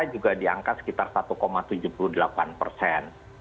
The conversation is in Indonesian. juga diangkat sekitar satu tujuh puluh delapan persen